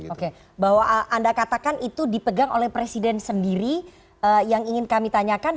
oke bahwa anda katakan itu dipegang oleh presiden sendiri yang ingin kami tanyakan